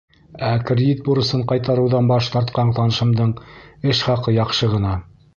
Ә кредит бурысын ҡайтарыуҙан баш тартҡан танышымдың эш хаҡы яҡшы ғына.